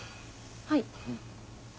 はい。